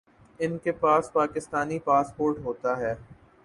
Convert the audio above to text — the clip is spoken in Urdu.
انکے پاس پاکستانی پاسپورٹ ہوتا ہے